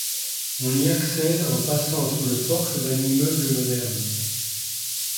On y accède en passant sous le porche d'un immeuble moderne.